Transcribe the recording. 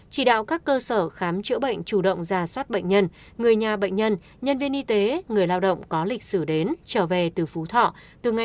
chỉ đạo các cơ sở khám chữa bệnh chủ động giả soát bệnh nhân người nhà bệnh nhân nhân viên y tế người lao động có lịch sử đến trở về từ phú thọ từ ngày một tháng một mươi đến nay